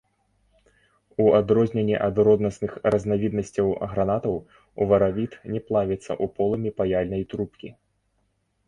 У адрозненне ад роднасных разнавіднасцяў гранатаў, уваравіт не плавіцца ў полымі паяльнай трубкі.